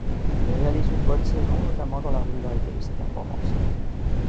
Il réalise une bonne saison, notamment dans la régularité de ses performances.